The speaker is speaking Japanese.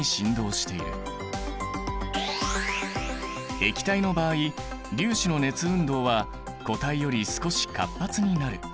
液体の場合粒子の熱運動は固体より少し活発になる。